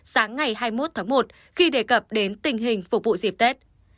sáng ngày hai mươi một tháng một khi đề cập đến tình hình phục vụ dịp tết